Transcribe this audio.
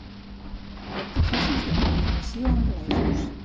Artificis de combinació anglesos.